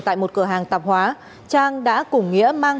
tại một cửa hàng tạp hóa trang đã cùng nghĩa mang